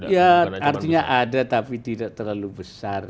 ya artinya ada tapi tidak terlalu besar